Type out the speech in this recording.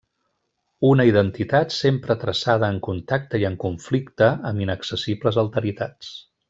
Una identitat sempre traçada en contacte i en conflicte amb inaccessibles alteritats.